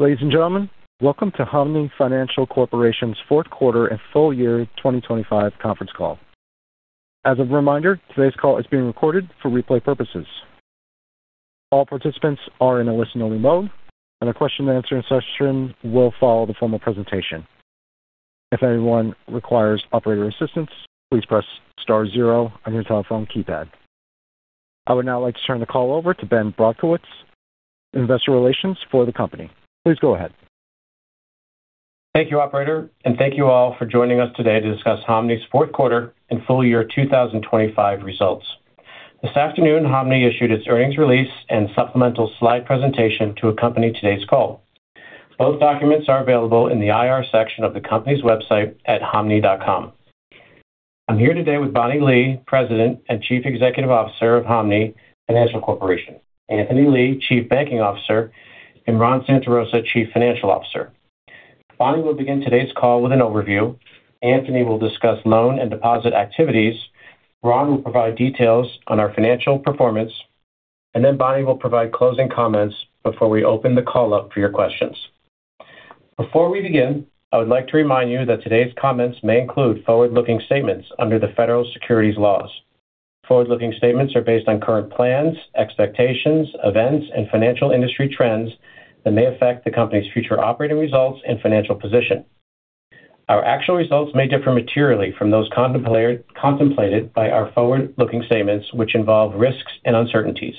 Ladies and gentlemen, welcome to Hanmi Financial Corporation's fourth quarter and full year 2025 conference call. As a reminder, today's call is being recorded for replay purposes. All participants are in a listen-only mode, and the question-and-answer session will follow the formal presentation. If anyone requires operator assistance, please press star zero on your telephone keypad. I would now like to turn the call over to Ben Brodkowitz, Investor Relations for the company. Please go ahead. Thank you, Operator, and thank you all for joining us today to discuss Hanmi's fourth quarter and full year 2025 results. This afternoon, Hanmi issued its earnings release and supplemental slide presentation to accompany today's call. Both documents are available in the IR section of the company's website at hanmi.com. I'm here today with Bonnie Lee, President and Chief Executive Officer of Hanmi Financial Corporation, Anthony Kim, Chief Banking Officer, and Ron Santarosa, Chief Financial Officer. Bonnie will begin today's call with an overview. Anthony will discuss loan and deposit activities. Ron will provide details on our financial performance, and then Bonnie will provide closing comments before we open the call up for your questions. Before we begin, I would like to remind you that today's comments may include forward-looking statements under the federal securities laws. Forward-looking statements are based on current plans, expectations, events, and financial industry trends that may affect the company's future operating results and financial position. Our actual results may differ materially from those contemplated by our forward-looking statements, which involve risks and uncertainties.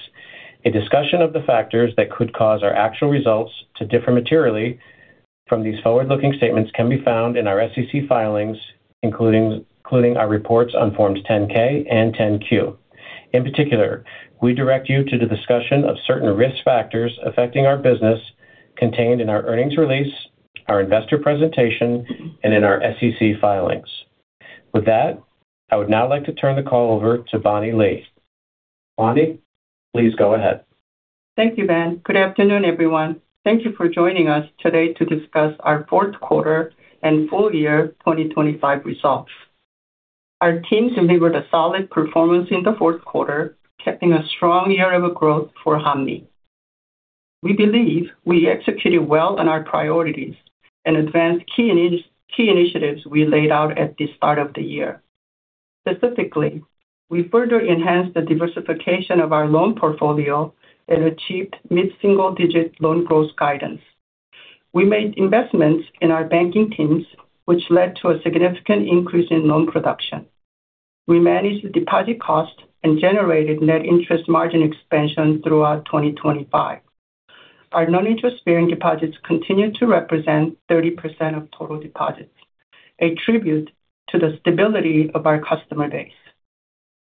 A discussion of the factors that could cause our actual results to differ materially from these forward-looking statements can be found in our SEC filings, including our reports on Forms 10-K and 10-Q. In particular, we direct you to the discussion of certain risk factors affecting our business contained in our earnings release, our investor presentation, and in our SEC filings. With that, I would now like to turn the call over to Bonnie Lee. Bonnie, please go ahead. Thank you, Ben. Good afternoon, everyone. Thank you for joining us today to discuss our fourth quarter and full year 2025 results. Our team delivered a solid performance in the fourth quarter, capping a strong year of growth for Hanmi. We believe we executed well on our priorities and advanced key initiatives we laid out at the start of the year. Specifically, we further enhanced the diversification of our loan portfolio and achieved mid-single-digit loan growth guidance. We made investments in our banking teams, which led to a significant increase in loan production. We managed the deposit cost and generated net interest margin expansion throughout 2025. Our non-interest-bearing deposits continue to represent 30% of total deposits, a tribute to the stability of our customer base.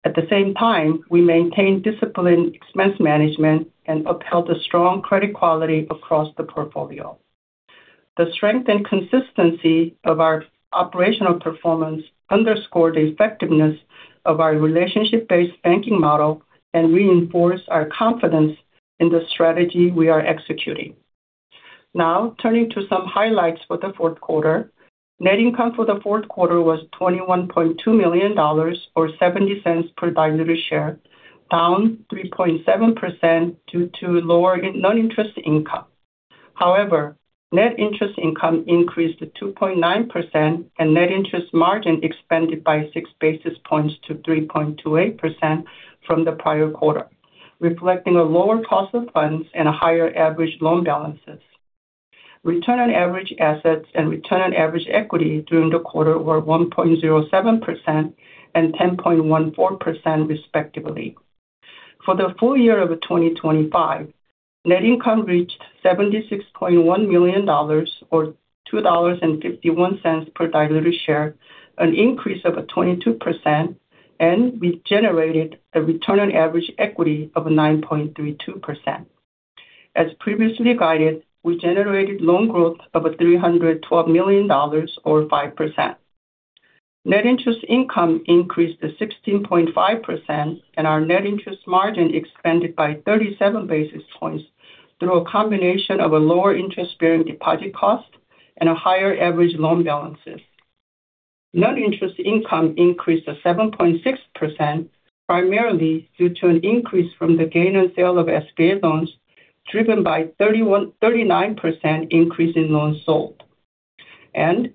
At the same time, we maintained disciplined expense management and upheld a strong credit quality across the portfolio. The strength and consistency of our operational performance underscored the effectiveness of our relationship-based banking model and reinforced our confidence in the strategy we are executing. Now, turning to some highlights for the fourth quarter, net income for the fourth quarter was $21.2 million, or $0.70 per diluted share, down 3.7% due to lower non-interest income. However, net interest income increased 2.9%, and net interest margin expanded by six basis points to 3.28% from the prior quarter, reflecting a lower cost of funds and higher average loan balances. Return on average assets and return on average equity during the quarter were 1.07% and 10.14%, respectively. For the full year of 2025, net income reached $76.1 million, or $2.51 per diluted share, an increase of 22%, and we generated a return on average equity of 9.32%. As previously guided, we generated loan growth of $312 million, or 5%. Net interest income increased to 16.5%, and our net interest margin expanded by 37 basis points through a combination of a lower interest-bearing deposit cost and higher average loan balances. Net interest income increased to 7.6%, primarily due to an increase from the gain on sale of SBA loans driven by a 39% increase in loans sold, and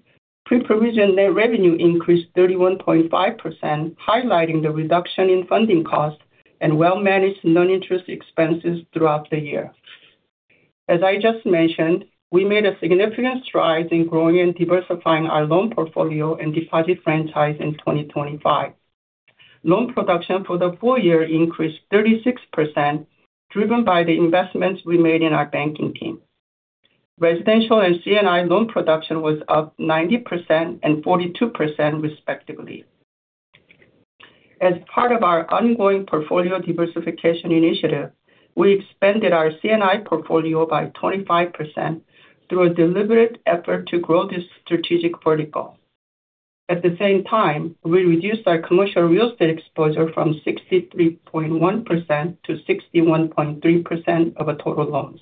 pre-provision net revenue increased 31.5%, highlighting the reduction in funding costs and well-managed non-interest expenses throughout the year. As I just mentioned, we made a significant stride in growing and diversifying our loan portfolio and deposit franchise in 2025. Loan production for the full year increased 36%, driven by the investments we made in our banking team. Residential and C&I loan production was up 90% and 42%, respectively. As part of our ongoing portfolio diversification initiative, we expanded our C&I portfolio by 25% through a deliberate effort to grow this strategic vertical. At the same time, we reduced our commercial real estate exposure from 63.1% to 61.3% of total loans.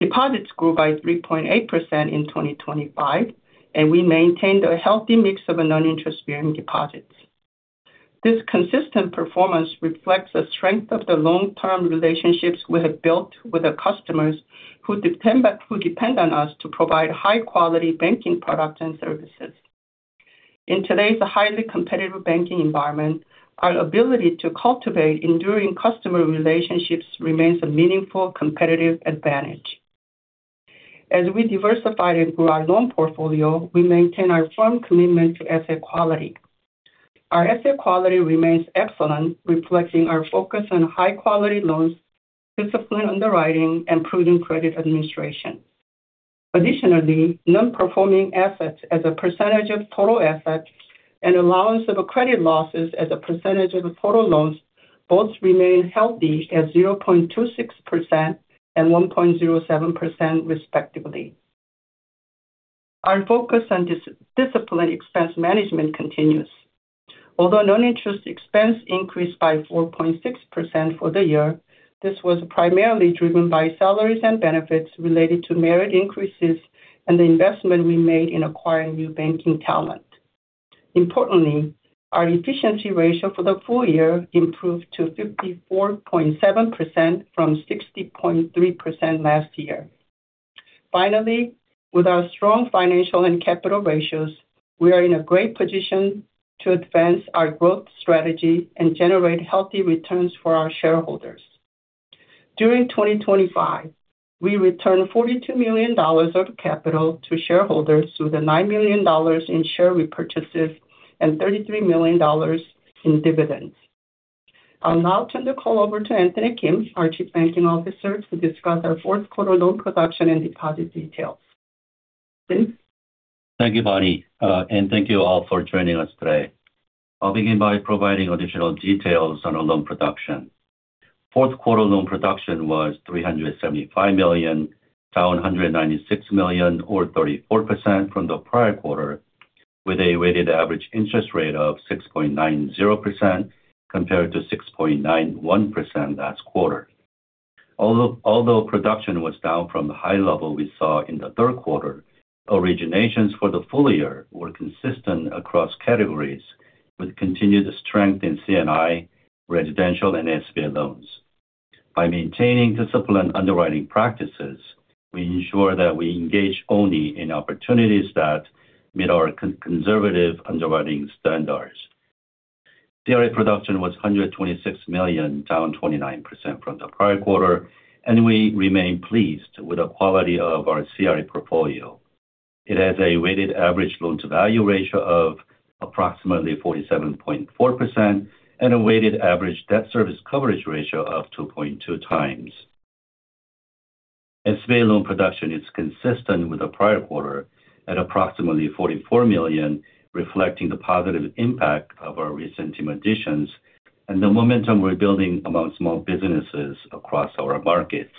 Deposits grew by 3.8% in 2025, and we maintained a healthy mix of non-interest-bearing deposits. This consistent performance reflects the strength of the long-term relationships we have built with our customers, who depend on us to provide high-quality banking products and services. In today's highly competitive banking environment, our ability to cultivate enduring customer relationships remains a meaningful competitive advantage. As we diversified and grew our loan portfolio, we maintain our firm commitment to asset quality. Our asset quality remains excellent, reflecting our focus on high-quality loans, disciplined underwriting, and prudent credit administration. Additionally, non-performing assets as a percentage of total assets and allowance for credit losses as a percentage of total loans both remain healthy at 0.26% and 1.07%, respectively. Our focus on disciplined expense management continues. Although non-interest expense increased by 4.6% for the year, this was primarily driven by salaries and benefits related to merit increases and the investment we made in acquiring new banking talent. Importantly, our efficiency ratio for the full year improved to 54.7% from 60.3% last year. Finally, with our strong financial and capital ratios, we are in a great position to advance our growth strategy and generate healthy returns for our shareholders. During 2025, we returned $42 million of capital to shareholders through the $9 million in share repurchases and $33 million in dividends. I'll now turn the call over to Anthony Kim, our Chief Banking Officer, to discuss our fourth quarter loan production and deposit details. Thank you, Bonnie, and thank you all for joining us today. I'll begin by providing additional details on our loan production. Fourth quarter loan production was $375 million, down $196 million, or 34% from the prior quarter, with a weighted average interest rate of 6.90% compared to 6.91% last quarter. Although production was down from the high level we saw in the third quarter, originations for the full year were consistent across categories, with continued strength in C&I, residential, and SBA loans. By maintaining disciplined underwriting practices, we ensure that we engage only in opportunities that meet our conservative underwriting standards. CRE production was $126 million, down 29% from the prior quarter, and we remain pleased with the quality of our CRE portfolio. It has a weighted average loan-to-value ratio of approximately 47.4% and a weighted average debt service coverage ratio of 2.2 times. SBA loan production is consistent with the prior quarter at approximately $44 million, reflecting the positive impact of our recent additions and the momentum we're building among small businesses across our markets.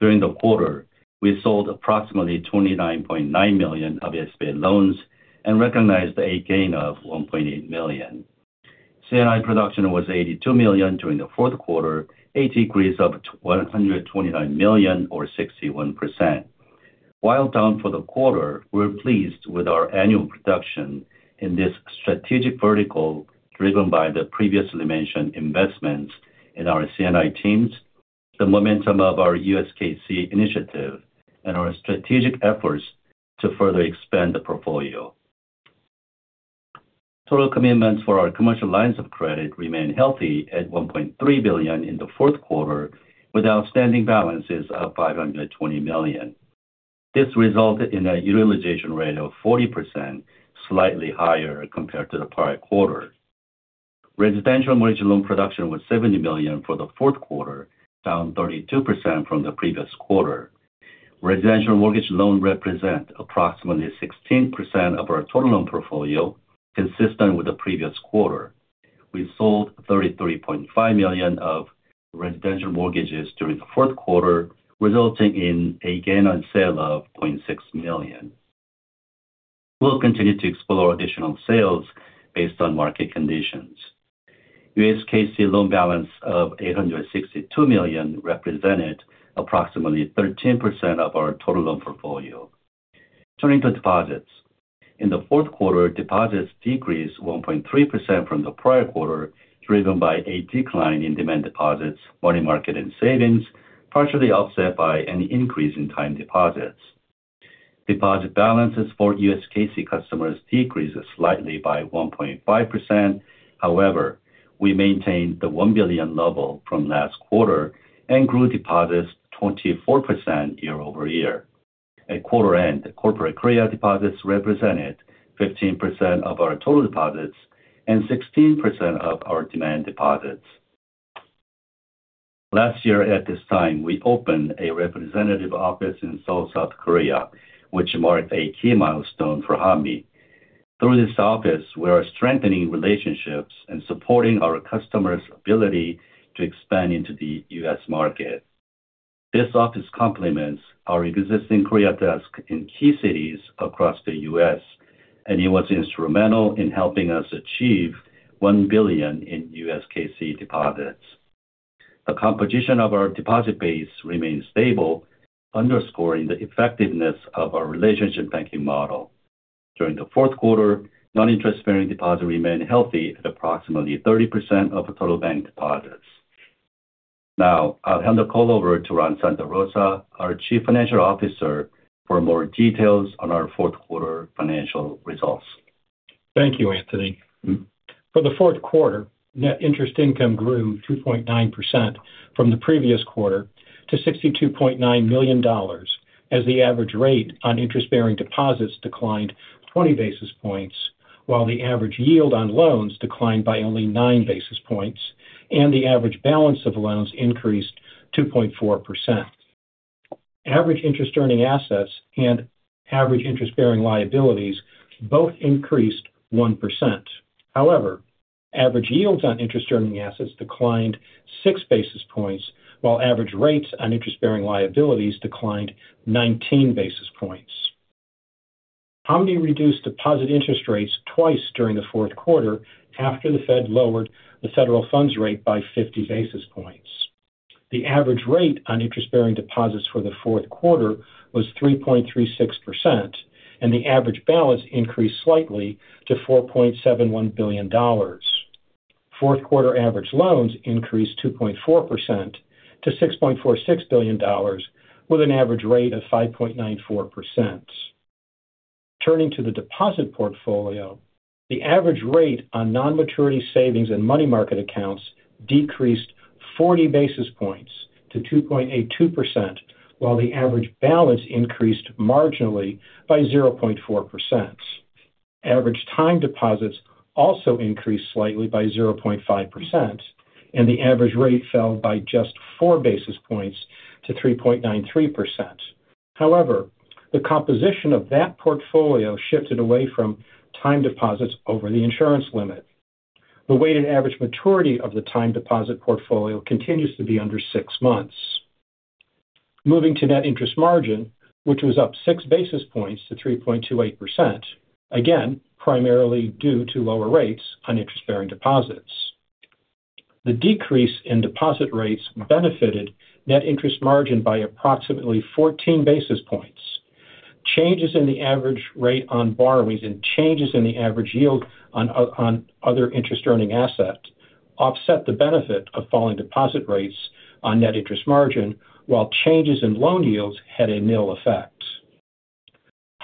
During the quarter, we sold approximately $29.9 million of SBA loans and recognized a gain of $1.8 million. C&I production was $82 million during the fourth quarter, a decrease of $129 million, or 61%. While down for the quarter, we're pleased with our annual production in this strategic vertical driven by the previously mentioned investments in our C&I teams, the momentum of our USKC initiative, and our strategic efforts to further expand the portfolio. Total commitments for our commercial lines of credit remain healthy at $1.3 billion in the fourth quarter, with outstanding balances of $520 million. This resulted in a utilization rate of 40%, slightly higher compared to the prior quarter. Residential mortgage loan production was $70 million for the fourth quarter, down 32% from the previous quarter. Residential mortgage loans represent approximately 16% of our total loan portfolio, consistent with the previous quarter. We sold $33.5 million of residential mortgages during the fourth quarter, resulting in a gain on sale of $0.6 million. We'll continue to explore additional sales based on market conditions. USKC loan balance of $862 million represented approximately 13% of our total loan portfolio. Turning to deposits, in the fourth quarter, deposits decreased 1.3% from the prior quarter, driven by a decline in demand deposits, money market, and savings, partially offset by an increase in time deposits. Deposit balances for USKC customers decreased slightly by 1.5%. However, we maintained the $1 billion level from last quarter and grew deposits 24% year-over-year. At quarter end, corporate credit deposits represented 15% of our total deposits and 16% of our demand deposits. Last year, at this time, we opened a representative office in Seoul, South Korea, which marked a key milestone for Hanmi. Through this office, we are strengthening relationships and supporting our customers' ability to expand into the U.S. market. This office complements our existing Korea Desk in key cities across the U.S., and it was instrumental in helping us achieve $1 billion in USKC deposits. The composition of our deposit base remains stable, underscoring the effectiveness of our relationship banking model. During the fourth quarter, non-interest-bearing deposits remained healthy at approximately 30% of total bank deposits. Now, I'll hand the call over to Ron Santarosa, our Chief Financial Officer, for more details on our fourth quarter financial results. Thank you, Anthony. For the fourth quarter, net interest income grew 2.9% from the previous quarter to $62.9 million, as the average rate on interest-bearing deposits declined 20 basis points, while the average yield on loans declined by only 9 basis points, and the average balance of loans increased 2.4%. Average interest-earning assets and average interest-bearing liabilities both increased 1%. However, average yields on interest-earning assets declined 6 basis points, while average rates on interest-bearing liabilities declined 19 basis points. Hanmi reduced deposit interest rates twice during the fourth quarter after the Fed lowered the federal funds rate by 50 basis points. The average rate on interest-bearing deposits for the fourth quarter was 3.36%, and the average balance increased slightly to $4.71 billion. Fourth quarter average loans increased 2.4% to $6.46 billion, with an average rate of 5.94%. Turning to the deposit portfolio, the average rate on non-maturity savings and money market accounts decreased 40 basis points to 2.82%, while the average balance increased marginally by 0.4%. Average time deposits also increased slightly by 0.5%, and the average rate fell by just 4 basis points to 3.93%. However, the composition of that portfolio shifted away from time deposits over the insurance limit. The weighted average maturity of the time deposit portfolio continues to be under six months. Moving to net interest margin, which was up 6 basis points to 3.28%, again, primarily due to lower rates on interest-bearing deposits. The decrease in deposit rates benefited net interest margin by approximately 14 basis points. Changes in the average rate on borrowings and changes in the average yield on other interest-earning assets offset the benefit of falling deposit rates on net interest margin, while changes in loan yields had a nil effect.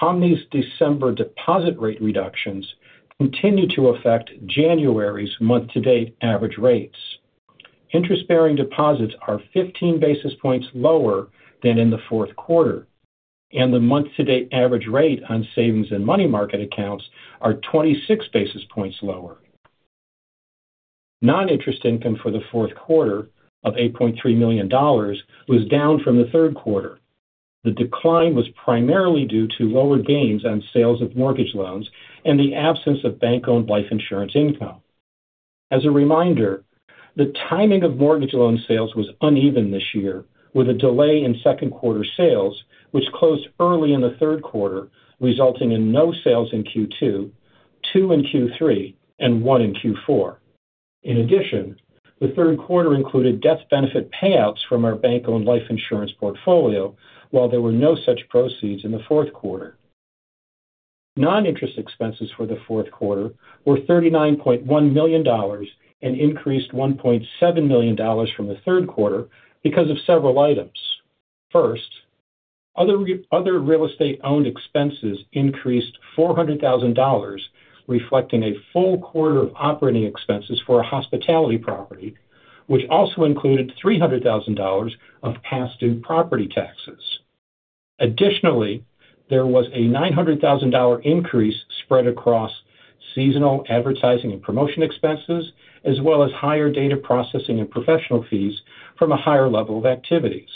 Hanmi's December deposit rate reductions continue to affect January's month-to-date average rates. Interest-bearing deposits are 15 basis points lower than in the fourth quarter, and the month-to-date average rate on savings and money market accounts are 26 basis points lower. Non-interest income for the fourth quarter of $8.3 million was down from the third quarter. The decline was primarily due to lower gains on sales of mortgage loans and the absence of bank-owned life insurance income. As a reminder, the timing of mortgage loan sales was uneven this year, with a delay in second quarter sales, which closed early in the third quarter, resulting in no sales in Q2, two in Q3, and one in Q4. In addition, the third quarter included death benefit payouts from our bank-owned life insurance portfolio, while there were no such proceeds in the fourth quarter. Non-interest expenses for the fourth quarter were $39.1 million and increased $1.7 million from the third quarter because of several items. First, other real estate owned expenses increased $400,000, reflecting a full quarter of operating expenses for a hospitality property, which also included $300,000 of past-due property taxes. Additionally, there was a $900,000 increase spread across seasonal advertising and promotion expenses, as well as higher data processing and professional fees from a higher level of activities.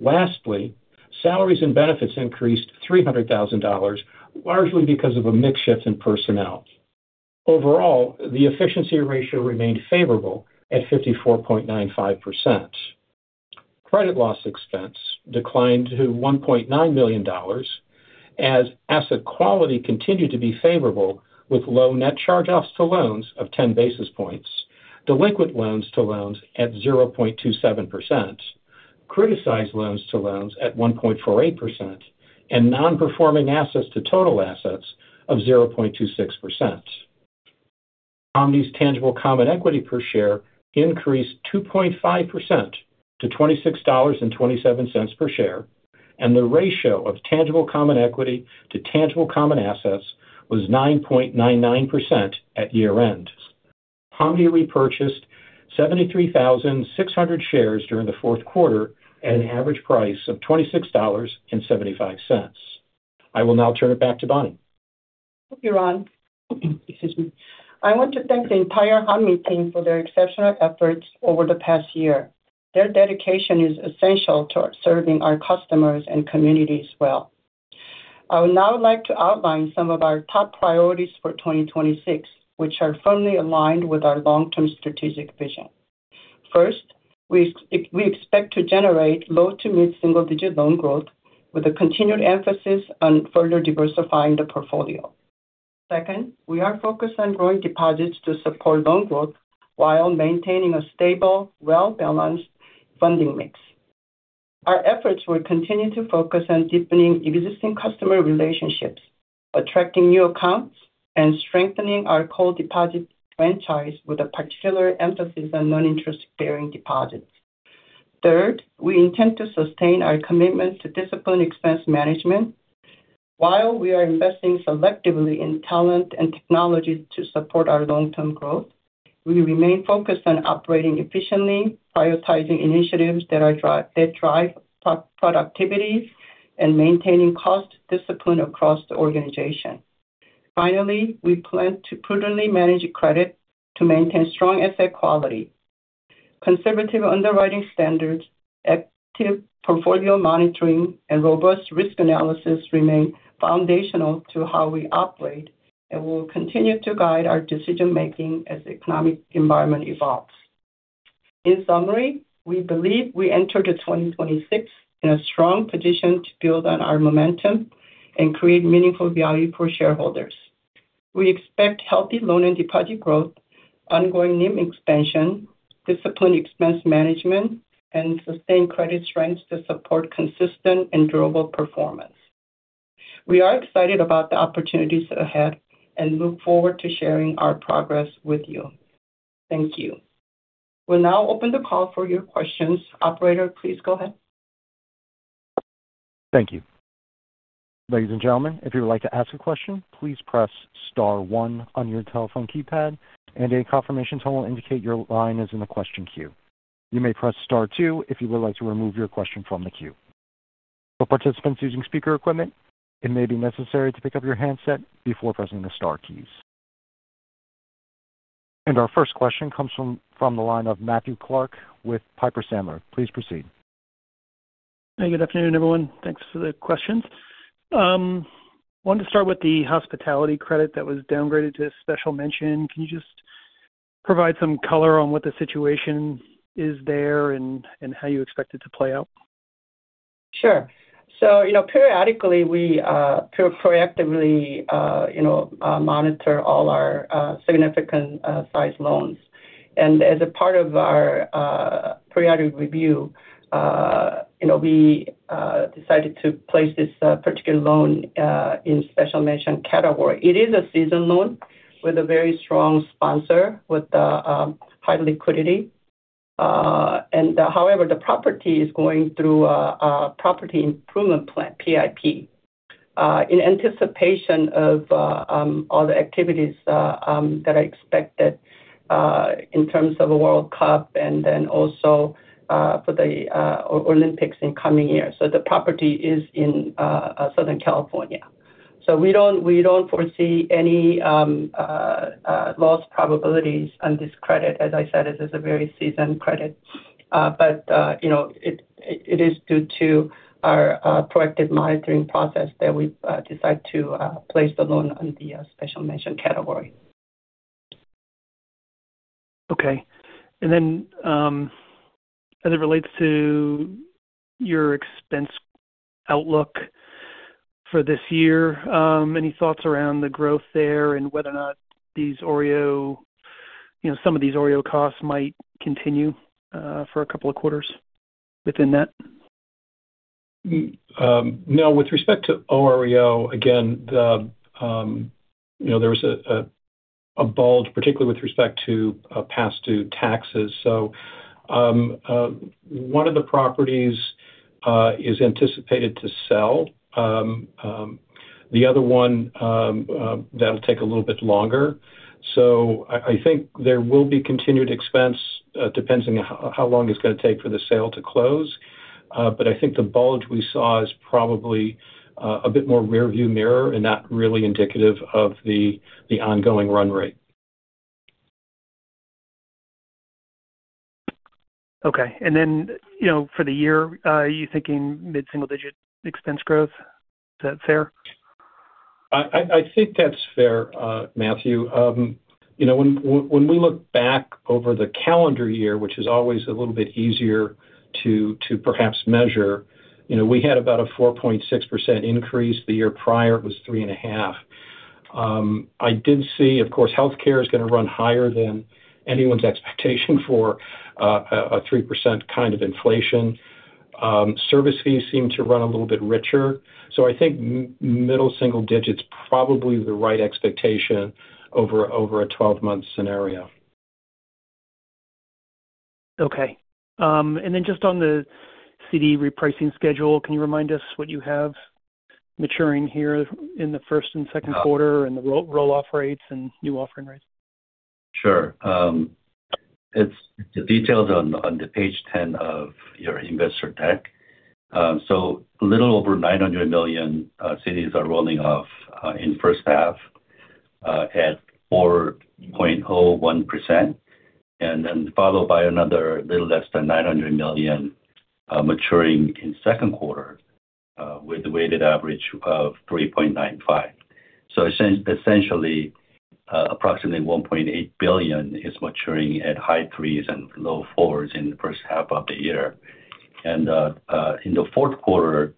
Lastly, salaries and benefits increased $300,000, largely because of a mix shift in personnel. Overall, the efficiency ratio remained favorable at 54.95%. Credit loss expense declined to $1.9 million as asset quality continued to be favorable, with low net charge-offs to loans of 10 basis points, delinquent loans to loans at 0.27%, criticized loans to loans at 1.48%, and non-performing assets to total assets of 0.26%. Hanmi's tangible common equity per share increased 2.5% to $26.27 per share, and the ratio of tangible common equity to tangible common assets was 9.99% at year-end. Hanmi repurchased 73,600 shares during the fourth quarter at an average price of $26.75. I will now turn it back to Bonnie. Thank you, Ron. Excuse me. I want to thank the entire Hanmi team for their exceptional efforts over the past year. Their dedication is essential to serving our customers and communities well. I would now like to outline some of our top priorities for 2026, which are firmly aligned with our long-term strategic vision. First, we expect to generate low to mid-single-digit loan growth, with a continued emphasis on further diversifying the portfolio. Second, we are focused on growing deposits to support loan growth while maintaining a stable, well-balanced funding mix. Our efforts will continue to focus on deepening existing customer relationships, attracting new accounts, and strengthening our core deposit franchise, with a particular emphasis on non-interest-bearing deposits. Third, we intend to sustain our commitment to disciplined expense management. While we are investing selectively in talent and technology to support our long-term growth, we remain focused on operating efficiently, prioritizing initiatives that drive productivity, and maintaining cost discipline across the organization. Finally, we plan to prudently manage credit to maintain strong asset quality. Conservative underwriting standards, active portfolio monitoring, and robust risk analysis remain foundational to how we operate and will continue to guide our decision-making as the economic environment evolves. In summary, we believe we entered 2026 in a strong position to build on our momentum and create meaningful value for shareholders. We expect healthy loan and deposit growth, ongoing NIM expansion, discipline expense management, and sustained credit strength to support consistent and durable performance. We are excited about the opportunities ahead and look forward to sharing our progress with you. Thank you. We'll now open the call for your questions. Operator, please go ahead. Thank you. Ladies and gentlemen, if you would like to ask a question, please press star one on your telephone keypad, and a confirmation tone will indicate your line is in the question queue. You may press star two if you would like to remove your question from the queue. For participants using speaker equipment, it may be necessary to pick up your handset before pressing the star keys. Our first question comes from the line of Matthew Clark with Piper Sandler. Please proceed. Hey, good afternoon, everyone. Thanks for the questions. I wanted to start with the hospitality credit that was downgraded to Special Mention. Can you just provide some color on what the situation is there and how you expect it to play out? Sure. So periodically, we proactively monitor all our significant-sized loans. As a part of our periodic review, we decided to place this particular loan in Special Mention category. It is a senior loan with a very strong sponsor, with high liquidity. However, the property is going through a property improvement plan, PIP, in anticipation of all the activities that are expected in terms of World Cup and then also for the Olympics in coming years. So the property is in Southern California. So we don't foresee any loss probabilities on this credit. As I said, this is a very senior credit. But it is due to our proactive monitoring process that we decide to place the loan under the Special Mention category. Okay. Then, as it relates to your expense outlook for this year, any thoughts around the growth there and whether or not these OREO, some of these OREO costs might continue for a couple of quarters within that? Now, with respect to OREO, again, there was a bulge, particularly with respect to past-due taxes. So one of the properties is anticipated to sell. The other one, that'll take a little bit longer. So I think there will be continued expense, depending on how long it's going to take for the sale to close. But I think the bulge we saw is probably a bit more rearview mirror and not really indicative of the ongoing run rate. Okay. And then for the year, you're thinking mid-single-digit expense growth. Is that fair? I think that's fair, Matthew. When we look back over the calendar year, which is always a little bit easier to perhaps measure, we had about a 4.6% increase. The year prior, it was 3.5%. I did see, of course, healthcare is going to run higher than anyone's expectation for a 3% kind of inflation. Service fees seem to run a little bit richer. So I think middle single digits, probably the right expectation over a 12-month scenario. Okay. And then just on the CD repricing schedule, can you remind us what you have maturing here in the first and second quarter and the roll-off rates and new offering rates? Sure. The details are on page 10 of your investor deck. So a little over $900 million CDs are rolling off in first half at 4.01%, and then followed by another little less than $900 million maturing in second quarter with a weighted average of 3.95%. So essentially, approximately $1.8 billion is maturing at high threes and low fours in the first half of the year. And in the fourth quarter,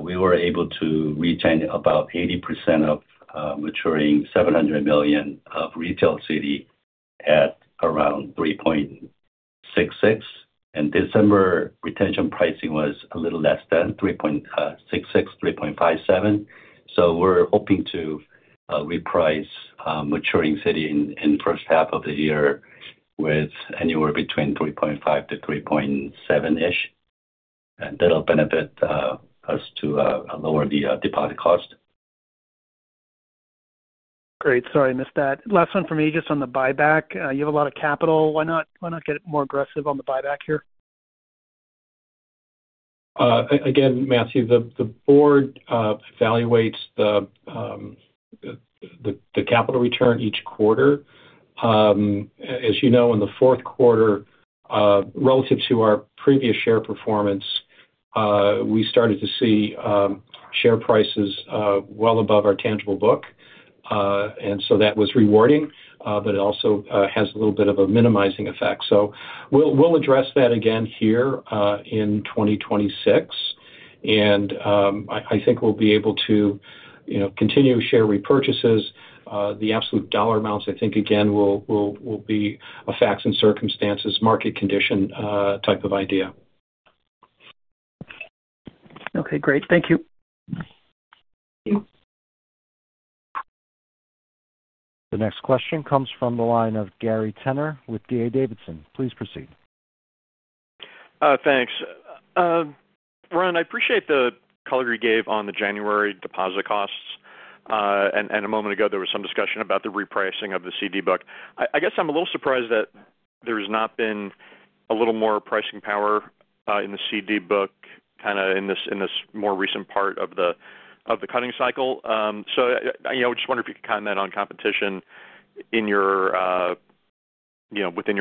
we were able to retain about 80% of maturing $700 million of retail CD at around 3.66%. And December retention pricing was a little less than 3.66%, 3.57%. So we're hoping to reprice maturing CD in the first half of the year with anywhere between 3.5% to 3.7%-ish. And that'll benefit us to lower the deposit cost. Great. Sorry, I missed that. Last one for me, just on the buyback. You have a lot of capital. Why not get more aggressive on the buyback here? Again, Matthew, the board evaluates the capital return each quarter. As you know, in the fourth quarter, relative to our previous share performance, we started to see share prices well above our tangible book. And so that was rewarding, but it also has a little bit of a minimizing effect. So we'll address that again here in 2026. And I think we'll be able to continue share repurchases. The absolute dollar amounts, I think, again, will be a facts and circumstances market condition type of idea. Okay. Great. Thank you. The next question comes from the line of Gary Tenner with D.A. Davidson. Please proceed. Thanks. Ron, I appreciate the color you gave on the January deposit costs. A moment ago, there was some discussion about the repricing of the CD book. I guess I'm a little surprised that there has not been a little more pricing power in the CD book kind of in this more recent part of the cutting cycle. So I just wonder if you could comment on competition within your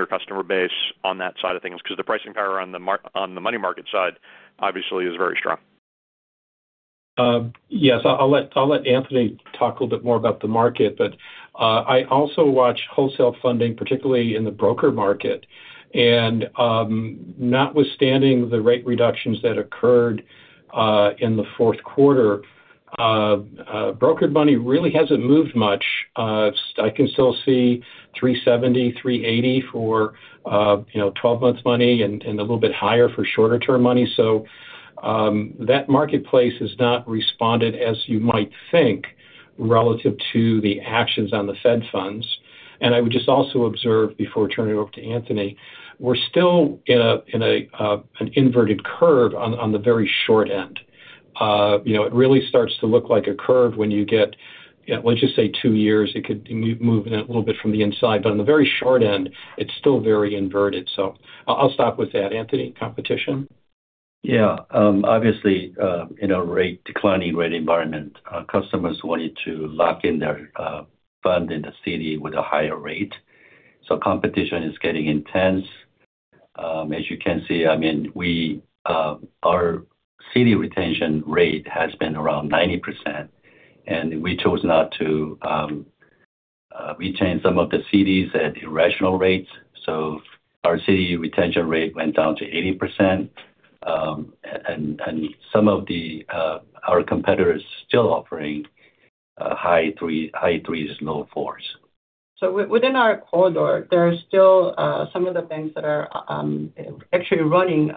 customer base on that side of things because the pricing power on the money market side, obviously, is very strong. Yes. I'll let Anthony talk a little bit more about the market. But I also watch wholesale funding, particularly in the broker market. And notwithstanding the rate reductions that occurred in the fourth quarter, brokered money really hasn't moved much. I can still see 370, 380 for 12-month money and a little bit higher for shorter-term money. So that marketplace has not responded, as you might think, relative to the actions on the Fed funds. And I would just also observe, before turning it over to Anthony, we're still in an inverted curve on the very short end. It really starts to look like a curve when you get, let's just say, two years. It could move in a little bit from the inside. But on the very short end, it's still very inverted. So I'll stop with that. Anthony, competition? Yeah. Obviously, in a declining rate environment, customers wanted to lock in their fund in the CD with a higher rate. So competition is getting intense. As you can see, I mean, our CD retention rate has been around 90%. And we chose not to retain some of the CDs at irrational rates. So our CD retention rate went down to 80%. And some of our competitors are still offering high threes, low fours. Within our corridor, there are still some of the banks that are actually running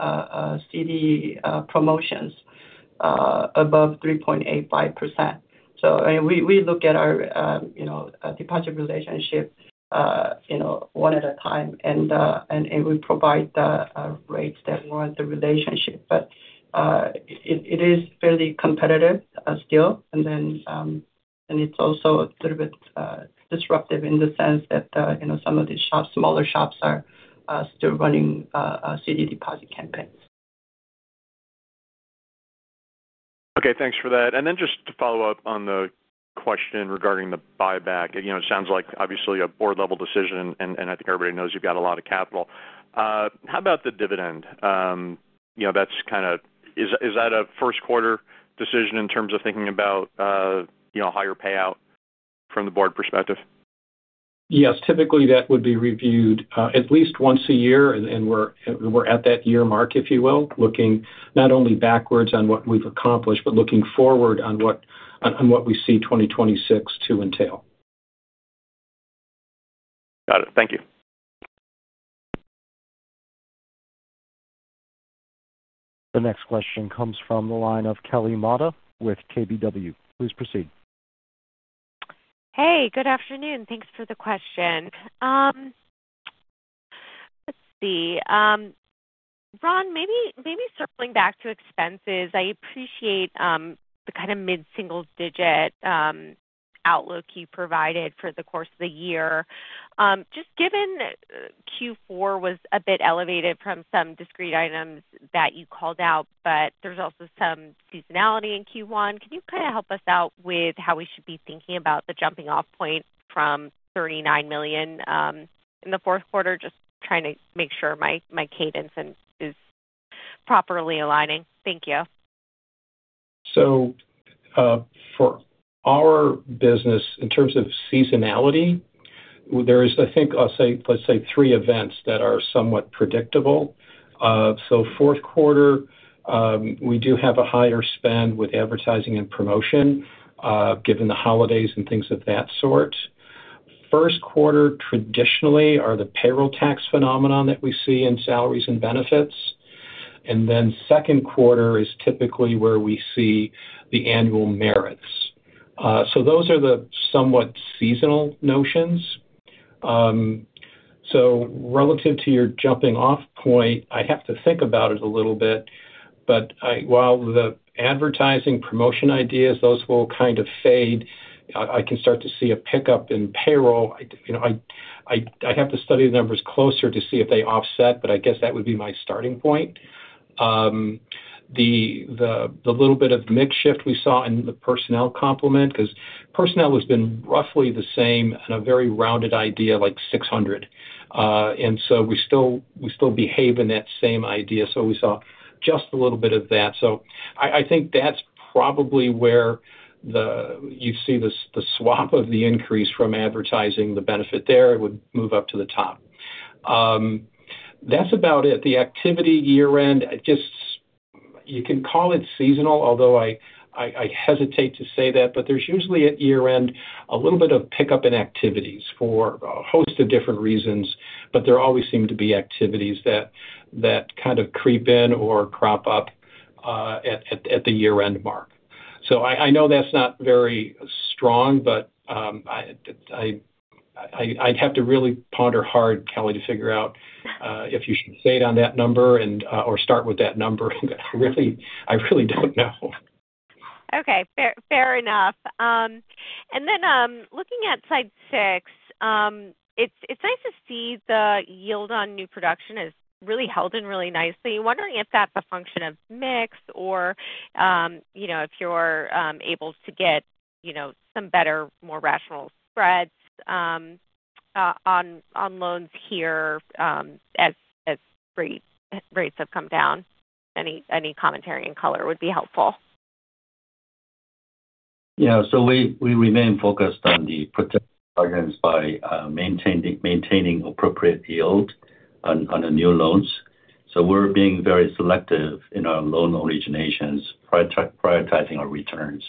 CD promotions above 3.85%. We look at our deposit relationship one at a time, and we provide the rates that warrant the relationship. But it is fairly competitive still. And it's also a little bit disruptive in the sense that some of the smaller shops are still running CD deposit campaigns. Okay. Thanks for that. And then just to follow up on the question regarding the buyback, it sounds like, obviously, a board-level decision. And I think everybody knows you've got a lot of capital. How about the dividend? That's kind of, is that a first-quarter decision in terms of thinking about higher payout from the board perspective? Yes. Typically, that would be reviewed at least once a year. And we're at that year mark, if you will, looking not only backwards on what we've accomplished, but looking forward on what we see 2026 to entail. Got it. Thank you. The next question comes from the line of Kelly Motta with KBW. Please proceed. Hey, good afternoon. Thanks for the question. Let's see. Ron, maybe circling back to expenses, I appreciate the kind of mid-single-digit outlook you provided for the course of the year. Just given Q4 was a bit elevated from some discrete items that you called out, but there's also some seasonality in Q1, can you kind of help us out with how we should be thinking about the jumping-off point from $39 million in the fourth quarter? Just trying to make sure my cadence is properly aligning. Thank you. So for our business, in terms of seasonality, there is, I think, let's say, three events that are somewhat predictable. So fourth quarter, we do have a higher spend with advertising and promotion, given the holidays and things of that sort. First quarter, traditionally, are the payroll tax phenomenon that we see in salaries and benefits. And then second quarter is typically where we see the annual merits. So those are the somewhat seasonal notions. So relative to your jumping-off point, I have to think about it a little bit. But while the advertising promotion ideas, those will kind of fade, I can start to see a pickup in payroll. I have to study the numbers closer to see if they offset, but I guess that would be my starting point. The little bit of mixed shift we saw in the personnel complement, because personnel has been roughly the same and a very rounded idea like 600. So we still behave in that same idea. So we saw just a little bit of that. So I think that's probably where you see the swap of the increase from advertising, the benefit there. It would move up to the top. That's about it. The activity year-end, you can call it seasonal, although I hesitate to say that. But there's usually at year-end a little bit of pickup in activities for a host of different reasons. But there always seem to be activities that kind of creep in or crop up at the year-end mark. I know that's not very strong, but I'd have to really ponder hard, Kelly, to figure out if you should say it on that number or start with that number. I really don't know. Okay. Fair enough. And then looking at slide six, it's nice to see the yield on new production has really held in really nicely. I'm wondering if that's a function of mix or if you're able to get some better, more rational spreads on loans here as rates have come down. Any commentary in color would be helpful. Yeah. So we remain focused on the protected programs by maintaining appropriate yield on the new loans. So we're being very selective in our loan originations, prioritizing our returns.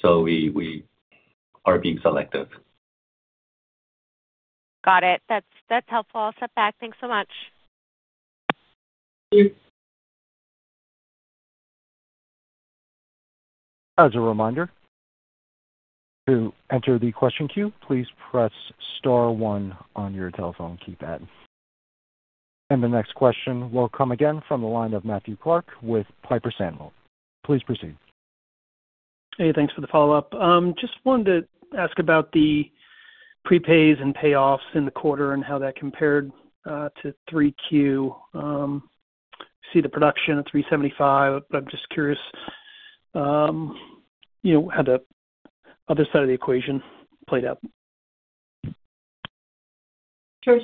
So we are being selective. Got it. That's helpful. I'll step back. Thanks so much. Thank you. As a reminder, to enter the question queue, please press star one on your telephone keypad. The next question will come again from the line of Matthew Clark with Piper Sandler. Please proceed. Hey, thanks for the follow-up. Just wanted to ask about the prepays and payoffs in the quarter and how that compared to 3Q C&I production at $375. I'm just curious how the other side of the equation played out. Just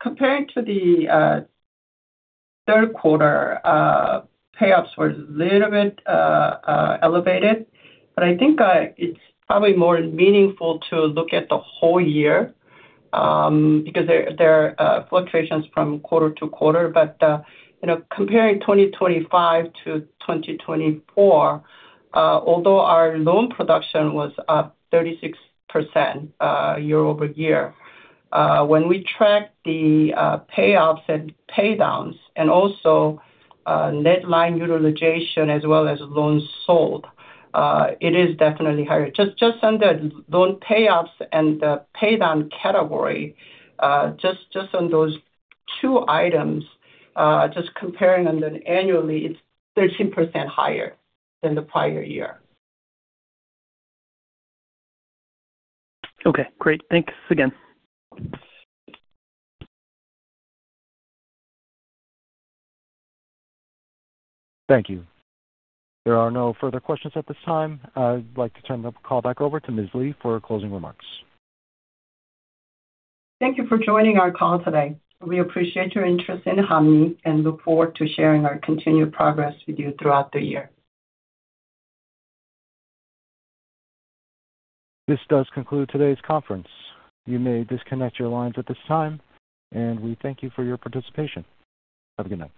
comparing to the third quarter, payouts were a little bit elevated. But I think it's probably more meaningful to look at the whole year because there are fluctuations from quarter to quarter. But comparing 2025 to 2024, although our loan production was up 36% year-over-year, when we track the payoffs and paydowns and also net line utilization as well as loans sold, it is definitely higher. Just on the loan payoffs and the paydown category, just on those two items, just comparing on an annually, it's 13% higher than the prior year. Okay. Great. Thanks again. Thank you. There are no further questions at this time. I'd like to turn the call back over to Ms. Lee for closing remarks. Thank you for joining our call today. We appreciate your interest in Hanmi and look forward to sharing our continued progress with you throughout the year. This does conclude today's conference. You may disconnect your lines at this time. We thank you for your participation. Have a good one.